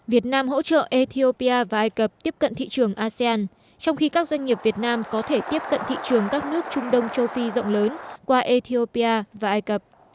việt nam hỗ trợ ethiopia và ai cập tiếp cận thị trường asean trong khi các doanh nghiệp việt nam có thể tiếp cận thị trường các nước trung đông châu phi rộng lớn qua ethiopia và ai cập